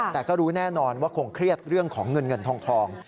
แต่ก็รู้แน่นอนว่าคงเครียดเรื่องของเงินเงินทอง